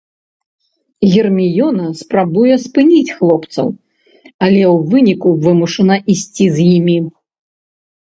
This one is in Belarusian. Герміёна спрабуе спыніць хлопцаў, але ў выніку вымушана ісці з імі.